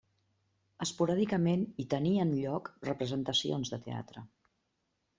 Esporàdicament hi tenien lloc representacions de teatre.